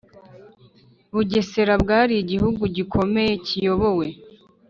Bugesera bwari igihugu gikomeye kiyobowe